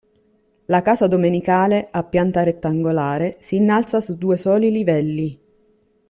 La casa domenicale, a pianta rettangolare, si innalza su due soli livelli.